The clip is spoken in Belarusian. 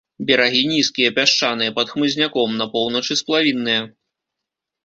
Берагі нізкія, пясчаныя, пад хмызняком, на поўначы сплавінныя.